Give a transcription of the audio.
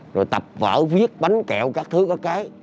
rồi tập vở viết bánh kẹo các thứ có cái